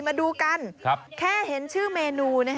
มาดูกันแค่เห็นชื่อเมนู